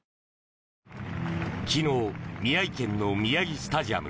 昨日宮城県の宮城スタジアム。